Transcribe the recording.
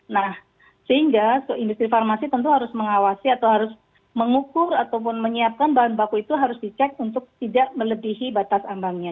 nah sehingga industri farmasi tentu harus mengawasi atau harus mengukur ataupun menyiapkan bahan baku itu harus dicek untuk tidak melebihi batas ambangnya